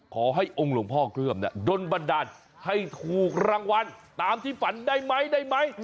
ขอให้องค์หลวงพ่อเกลือมโดนบันดาลให้ถูกรางวัลตามที่ฝันได้ไหมได้ไหม